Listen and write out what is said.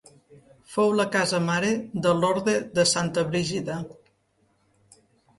Fou la casa mare de l'Orde de Santa Brígida.